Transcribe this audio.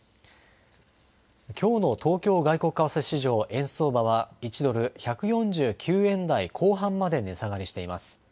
きょうの東京外国為替市場、円相場は１ドル１４９円台後半まで値下がりしています。